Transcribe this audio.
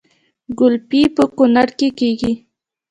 ګلپي په کونړ کې کیږي